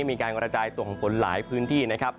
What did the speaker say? มีการกระจายตัวของฝนหลายพื้นที่นะครับ